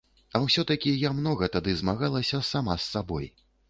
А ўсё-такі я многа тады змагалася сама з сабой.